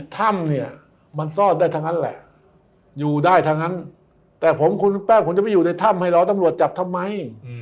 ถ้ำเนี่ยมันซ่อนได้ทั้งนั้นแหละอยู่ได้ทั้งนั้นแต่ผมคุณแป้งผมจะไม่อยู่ในถ้ำให้รอตำรวจจับทำไม